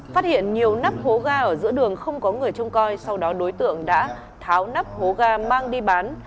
phát hiện nhiều nắp hố ga ở giữa đường không có người trông coi sau đó đối tượng đã tháo nắp hố ga mang đi bán